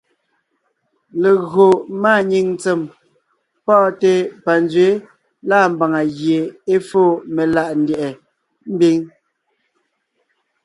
Légÿo máanyìŋ ntsèm pɔ́ɔnte panzwɛ̌ lâ mbàŋa gie é fóo meláʼa ndyɛ̀ʼɛ mbiŋ.